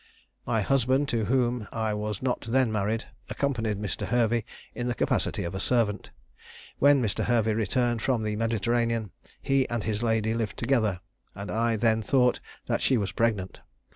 My husband, to whom I was not then married, accompanied Mr. Hervey in the capacity of servant. When Mr. Hervey returned from the Mediterranean, he and his lady lived together, and I then thought that she was pregnant.